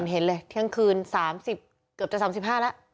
เห็นเลยเที่ยงคืน๓๐เกือบจะ๓๕แล้ว